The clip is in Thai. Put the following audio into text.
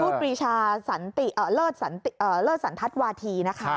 พูดปริชาเลิศสันทัศวาธีนะฮะ